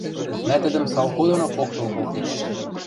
Мӓ тӹдӹм салко доно поктыл колтенӓ...